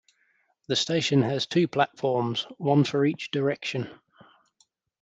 The station has two platforms, one for each direction.